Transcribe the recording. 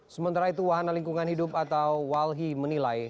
sementara itu wahana lingkungan hidup atau walhi menilai